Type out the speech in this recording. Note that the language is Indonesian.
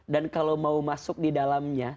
dan kalau mau masuk di dalamnya